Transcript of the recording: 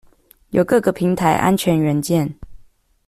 有各個平台安全元件